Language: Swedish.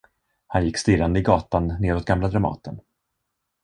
Han gick stirrande i gatan nedåt gamla Dramaten.